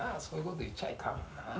そういうこと言っちゃいかんわな。